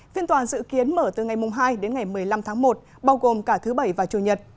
phiên toàn dự kiến mở từ ngày hai đến ngày một mươi năm tháng một bao gồm cả thứ bảy và chủ nhật